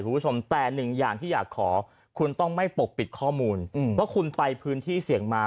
คุณผู้ชมแต่หนึ่งอย่างที่อยากขอคุณต้องไม่ปกปิดข้อมูลว่าคุณไปพื้นที่เสี่ยงมา